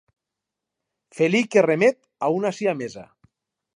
Felí que remet a una siamesa.